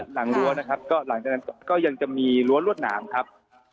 หลางจากนั้นก็ยังจะมีรวดรวดหนางครับ